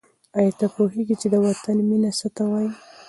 آیا ته پوهېږې چې د وطن مینه څه ته وايي؟